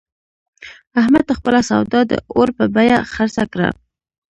احمد خپله سودا د اور په بیه خرڅه کړه.